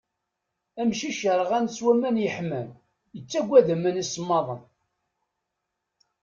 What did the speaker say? Amcic yerɣan s waman yeḥman, yettaggad aman isemmaḍen.